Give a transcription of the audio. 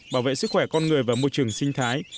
bảo vệ sức khỏe con người và môi trường sinh thái